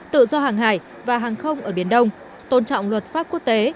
tự do hàng hải và hàng không ở biển đông tôn trọng luật pháp quốc tế